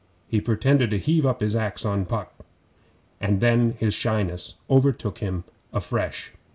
He pretended to heave up his axe on Puck; and then his shyness overtook him afresh.